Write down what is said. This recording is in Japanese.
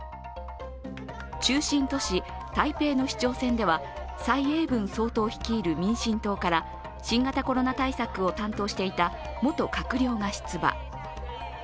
中心都市・台北の市長選では蔡英文総統率いる民進党から新型コロナ対策を担当していた元閣僚が出馬。